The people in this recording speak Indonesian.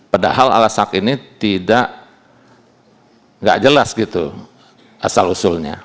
padahal alasan ini tidak jelas gitu asal usulnya